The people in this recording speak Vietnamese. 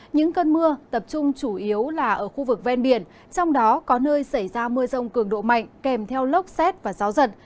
những cơn mưa tập trung chủ yếu là ở khu vực ven biển trong đó có nơi xảy ra mưa rông cường độ mạnh kèm theo lốc xét và gió giật